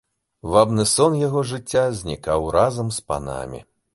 Вабны сон яго жыцця знікаў разам з панамі.